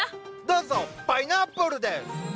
どうぞパイナップルです。